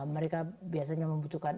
mereka biasanya membutuhkan